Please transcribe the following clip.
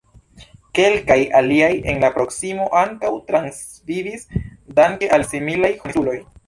Kelkaj aliaj en la proksimo ankaŭ transvivis danke al similaj honestuloj.